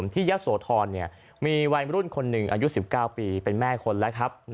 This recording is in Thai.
ยะโสธรมีวัยรุ่นคนหนึ่งอายุ๑๙ปีเป็นแม่คนแล้วครับ